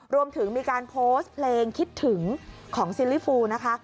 รวมถึงมีการโพสต์เพลงคิดถึงของซิลลี่ฟูนะคะ